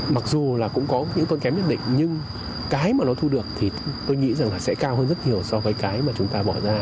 mặc dù là cũng có những con kém nhất định nhưng cái mà nó thu được thì tôi nghĩ rằng là sẽ cao hơn rất nhiều so với cái mà chúng ta bỏ ra